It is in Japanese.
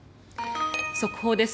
速報です。